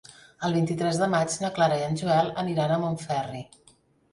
El vint-i-tres de maig na Clara i en Joel aniran a Montferri.